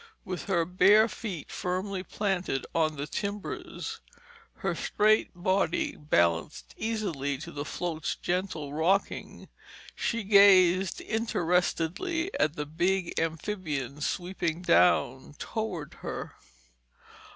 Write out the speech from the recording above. With her bare feet firmly planted on the timbers, her straight body balanced easily to the float's gentle rocking, she gazed interestedly at the big amphibian sweeping down toward her.